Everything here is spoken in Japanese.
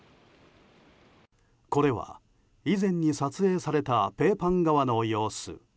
これは、以前に撮影されたペーパン川の様子。